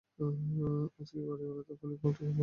আজ কি বাড়িওয়ালা তার পানির পাম্পটি খুলবে না?